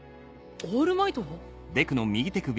オールマイトを？